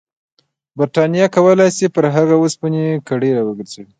برټانیه کولای شي پر هغه د اوسپنې کړۍ راوګرځوي.